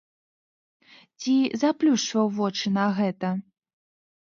Ці заплюшчваў вочы на гэта?